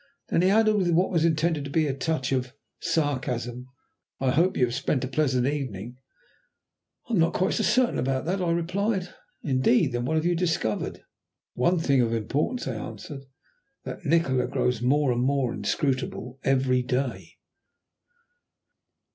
Then he added, with what was intended to be a touch of sarcasm, "I hope you have spent a pleasant evening?" "I am not quite so certain about that," I replied. "Indeed. Then what have you discovered?" "One thing of importance," I answered; "that Nikola grows more and more inscrutable every day."